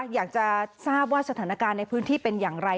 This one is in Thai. อยากจะทราบว่าสถานการณ์ในพื้นที่เป็นอย่างไร